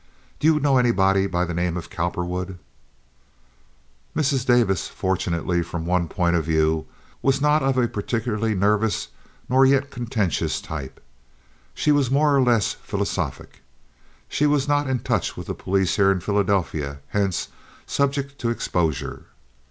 Do you know anybody by the name of Cowperwood?" Mrs. Davis, fortunately from one point of view, was not of a particularly nervous nor yet contentious type. She was more or less philosophic. She was not in touch with the police here in Philadelphia, hence subject to exposure.